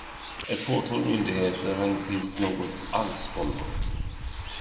Ett fåtal myndigheter har inte gjort något alls på området.